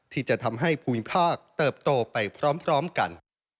ที่จะทำให้ภูมิภาคเติบโตไปพร้อมกัน